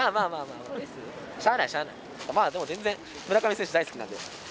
まあまあ、でも全然、村上選手、大好きなんで。